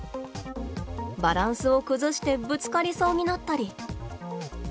バランスを崩してぶつかりそうになったり。